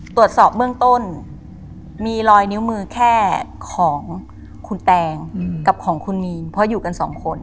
ตรวจสอบเบื้องต้นมีรอยนิ้วมือแค่ของคุณแตงกับของคุณมีนเพราะอยู่กันสองคน